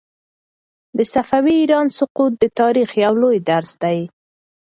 د صفوي ایران سقوط د تاریخ یو لوی درس دی.